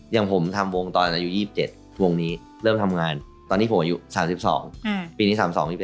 อย่างผมทำวงตอนอายุ๒๗วงนี้เริ่มทำงานตอนนี้ผมอายุ๓๒ปีนี้๓๒๒